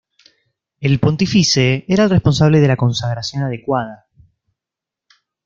El pontífice era el responsable de la consagración adecuada.